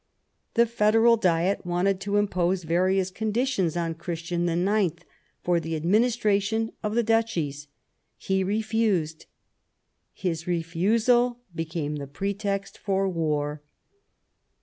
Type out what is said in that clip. The Federal Diet wanted to impose various con ditions on Christian IX for the administration of the Duchies ; he refused. His refusal became the pretext for war.